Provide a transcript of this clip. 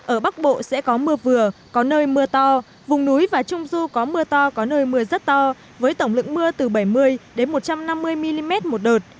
ở bắc bộ sẽ có mưa vừa có nơi mưa to vùng núi và trung du có mưa to có nơi mưa rất to với tổng lượng mưa từ bảy mươi một trăm năm mươi mm một đợt